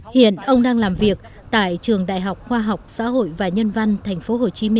hiện ông đang làm việc tại trường đại học khoa học xã hội và nhân văn tp hcm